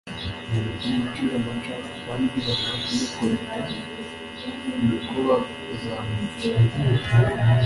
bamucire amacandwe kandi nibamara kumukubita imikoba, bazamwica